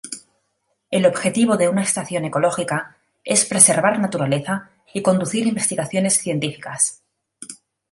El objetivo de una estación ecológica es preservar naturaleza y conducir investigaciones científicas.